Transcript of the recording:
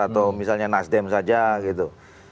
atau misalnya nasdem saja gitu